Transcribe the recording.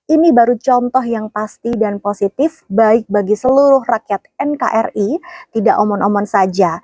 ini baru contoh yang pasti dan positif baik bagi seluruh rakyat nkri tidak omon omon saja